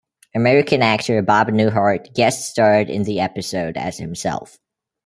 American actor Bob Newhart guest starred in the episode as himself.